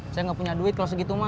saya gak punya duit kalau segitu ma